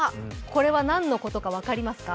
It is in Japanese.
これ何のことか分かりますか？